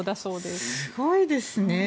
すごいですね。